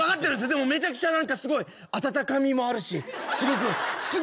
でもめちゃくちゃ何かすごい温かみもあるしすごくすごく気持ちいいんです。